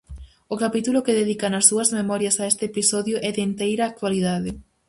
O capítulo que dedica nas súas memorias a este episodio é de enteira actualidade.